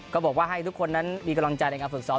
ก็บอกว่าให้ทุกคนนั้นมีกำลังใจในการฝึกซ้อม